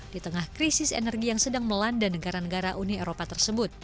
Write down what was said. di tengah krisis energi yang sedang melanda negara negara uni eropa tersebut